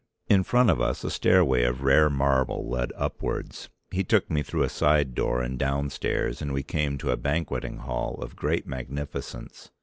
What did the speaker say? In front of us a stairway of rare marble led upwards, he took me through a side door and downstairs and we came to a banqueting hall of great magnificence.